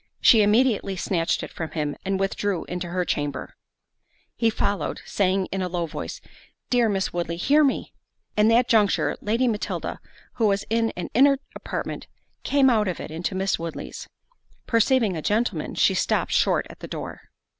She immediately snatched it from him, and withdrew into her chamber. He followed, saying, in a low voice, "Dear Miss Woodley, hear me." At that juncture Lady Matilda, who was in an inner apartment, came out of it into Miss Woodley's. Perceiving a gentleman, she stopped short at the door.